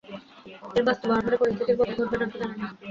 এর বাস্তবায়ন হলে পরিস্থিতির বদল ঘটবে কি না, জানি না।